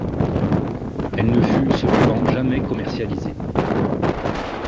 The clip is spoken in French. Elle ne fut cependant jamais commercialisée.